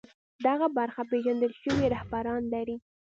دغه برخه پېژندل شوي رهبران لري